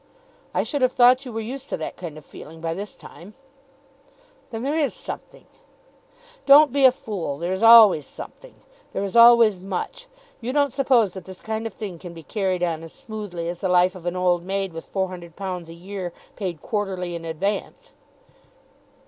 "I should have thought you were used to that kind of feeling by this time." "Then there is something." "Don't be a fool. There is always something. There is always much. You don't suppose that this kind of thing can be carried on as smoothly as the life of an old maid with £400 a year paid quarterly in advance."